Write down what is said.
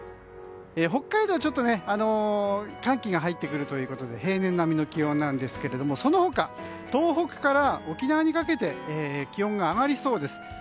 北海道は寒気が入ってくるということで平年並みの気温なんですけど東北から沖縄にかけて気温が上がりそうです。